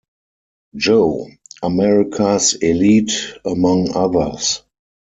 Joe: America's Elite among others.